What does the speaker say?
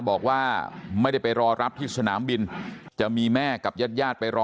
บอกว่าไม่ได้ไปรอรับที่สนามบินจะมีแม่กับญาติญาติไปรอ